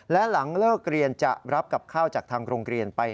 และหลังเลิกเรียนจะรับกับข้าวจากทางโรงเรียนไป